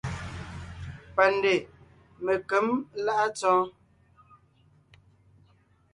Pandè Menkěm láʼa Tsɔɔ́n.